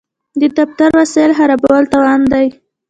د دفتر وسایل خرابول تاوان دی.